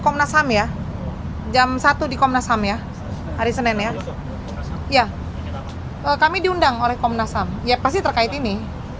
comnasum ya jam satu di komtnasam ya hari senin ya ya kami diundang oleh comnasum ya masih terkait ini